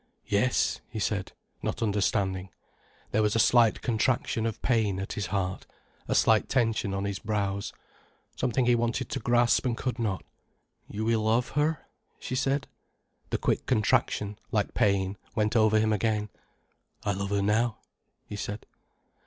"Yes," he said, not understanding. There was a slight contraction of pain at his heart, a slight tension on his brows. Something he wanted to grasp and could not. "You will love her?" she said. The quick contraction, like pain, went over him again. "I love her now," he said.